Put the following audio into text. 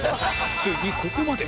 ついにここまで